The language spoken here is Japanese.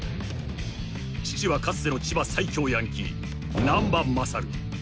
［父はかつての千葉最強ヤンキー難破勝］